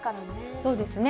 そうですね。